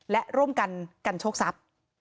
และร่วมกันกันโชคทรัพย์